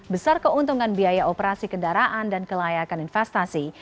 besar keuntungan biaya operasi kendaraan dan kelayakan investasi